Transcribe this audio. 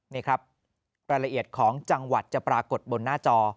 นี่ครับรายละเอียดของจังหวัดจะปรากฏบนหน้าจอ